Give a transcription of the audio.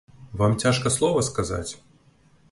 Вам цяжка слова сказаць?